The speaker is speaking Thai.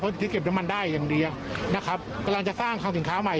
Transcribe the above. เพราะที่เก็บน้ำมันได้อย่างเดียวนะครับกำลังจะสร้างคลังสินค้าใหม่